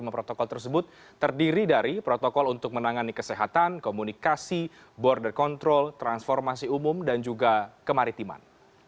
lima protokol tersebut terdiri dari protokol untuk menangani kesehatan komunikasi border control transformasi umum dan juga kemaritiman